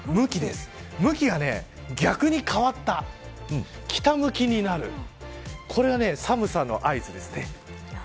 向きが逆向きに変わった北向きになるこれは寒さの合図です。